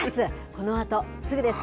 このあとすぐです。